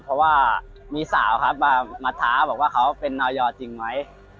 เพราะว่างีสาวครับมีมาถามว่าเหมาะจริงไหม